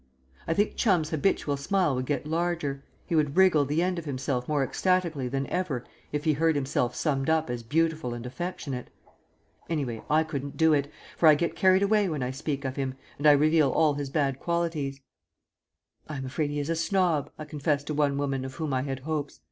I think Chum's habitual smile would get larger, he would wriggle the end of himself more ecstatically than ever if he heard himself summed up as beautiful and affectionate. Anyway, I couldn't do it, for I get carried away when I speak of him and I reveal all his bad qualities. "I am afraid he is a snob," I confessed to one woman of whom I had hopes.